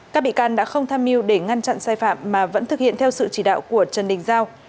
các bị can đã không tham mưu để ngăn chặn sai phạm mà vẫn thực hiện theo sự chỉ đạo của trần đình giao